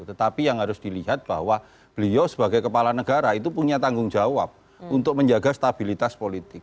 tetapi yang harus dilihat bahwa beliau sebagai kepala negara itu punya tanggung jawab untuk menjaga stabilitas politik